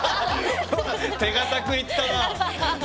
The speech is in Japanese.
手堅くいったなあ。